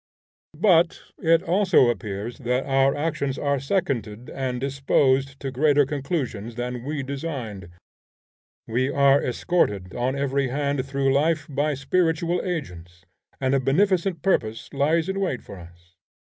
But it also appears that our actions are seconded and disposed to greater conclusions than we designed. We are escorted on every hand through life by spiritual agents, and a beneficent purpose lies in wait for us.